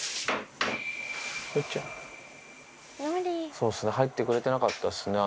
そうっすね、入ってくれてなかったですね。